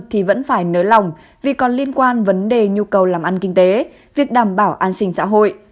thì vẫn phải nới lòng vì còn liên quan vấn đề nhu cầu làm ăn kinh tế việc đảm bảo an sinh xã hội